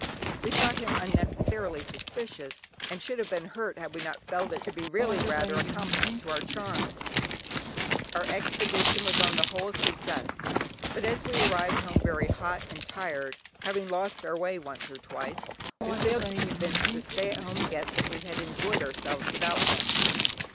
We thought him unnecessarily suspicious, and should have been hurt had we not felt it to be really rather a compliment to our charms. Our expedition was on the whole a success, but as we arrived home very hot and tired, having lost our way once or twice, we failed to convince the stay at homes that we had enjoyed ourselves without them.